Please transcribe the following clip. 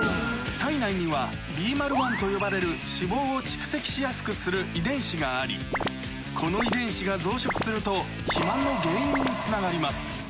体内にはＢＭＡＬ１と呼ばれる脂肪を蓄積しやすくする遺伝子がありこの遺伝子が増殖すると肥満の原因につながります